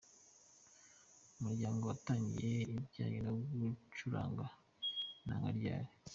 Umuryango: Watangiye ibijyanye no gucuranga inanga ryari?.